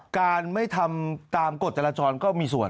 การไม่ตามกฎแตนลาจรก็มีส่วน